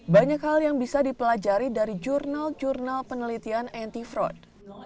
banyak hal yang bisa dipelajari dari jurnal jurnal penelitian anti fraud